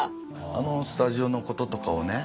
あのスタジオのこととかをね